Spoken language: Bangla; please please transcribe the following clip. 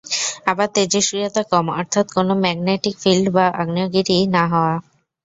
আবার তেজষ্ক্রিয়তা কম অর্থাৎ কোনো ম্যাগনেটিক ফিল্ড বা আগ্নেয়াগিরিই না হওয়া।